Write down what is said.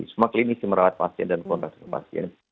semua klinisi merawat pasien dan kontak dengan pasien